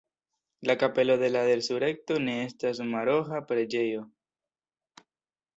La Kapelo de la Resurekto ne estas paroĥa preĝejo.